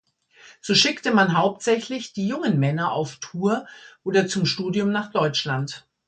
So schickte man hauptsächlich die jungen Männer auf Tour oder zum Studium nach Deutschland.